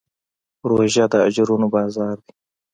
روژه د اجرونو بازار دی.